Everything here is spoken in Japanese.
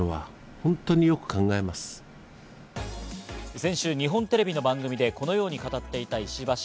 先週、日本テレビの番組でこのように語っていた石破氏。